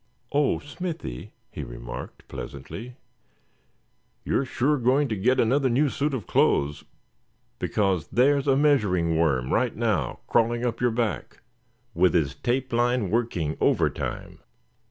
"Oh! Smithy," he remarked, pleasantly, "you're sure going to get another new suit of clothes, because there's a measuring worm right now, crawling up your back, with his tape line working over time."